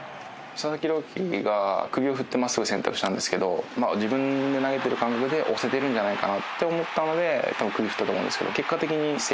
佐々木朗希が首を振って真っすぐ選択したんですけど自分で投げてる感覚で押せてるんじゃないかなって思ったので多分首振ったと思うんですけど結果的に正解でしたね。